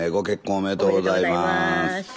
おめでとうございます。